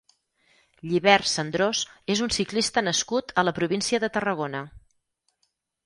Llibert Sendrós és un ciclista nascut a la província de Tarragona.